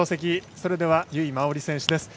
それでは由井真緒里選手です。